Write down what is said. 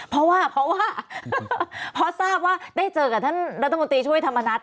เพราะว่าเพราะว่าพอทราบว่าได้เจอกับท่านรัฐมนตรีช่วยธรรมนัฐ